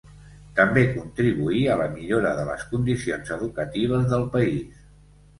També contribuí a la millora de les condicions educatives del país.